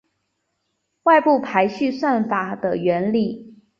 外部排序算法的原理